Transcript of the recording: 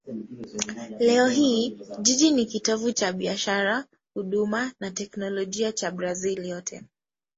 Leo hii jiji ni kitovu cha biashara, huduma na teknolojia cha Brazil yote.